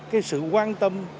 cái sự quan tâm